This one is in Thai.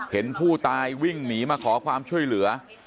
เห็นผู้ตายวิ่งหนีมาขอความช่วยเหลือ